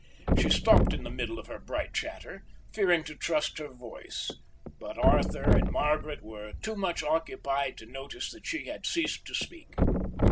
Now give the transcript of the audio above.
She stopped in the middle of her bright chatter, fearing to trust her voice, but Margaret and Arthur were too much occupied to notice that she had ceased to speak.